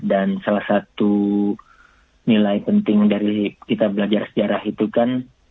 dan salah satu nilai penting dari kita belajar sejarah itu kan